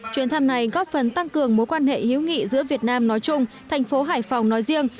chuyến thăm này góp phần tăng cường mối quan hệ hiếu nghị giữa việt nam nói chung thành phố hải phòng nói riêng